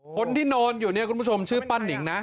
คนที่นอนอยู่เนี่ยคุณผู้ชมชื่อป้านิงนะ